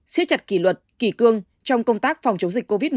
siết chặt kỷ luật kỷ cương trong công tác phòng chống dịch covid một mươi chín